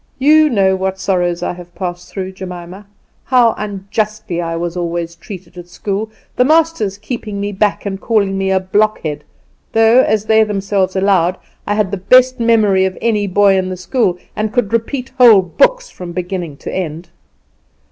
You know what sorrows I have passed through, Jemima; how unjustly I was always treated at school, the masters keeping me back and calling me a blockhead, though, as they themselves allowed, I had the best memory of any boy in the school, and could repeat whole books from beginning to end.